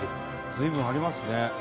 「随分ありますね」